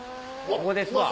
ここですわ。